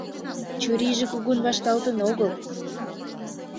Чурийже кугун вашталтын огыл!